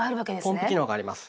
ポンプ機能があります！